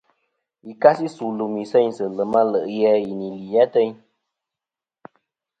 Yì kasi su lùmì seynsɨ lèm a le' ghè a zɨ nì li atayn.